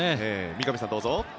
三上さん、どうぞ。